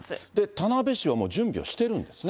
田辺市はもう準備はしてるんですね。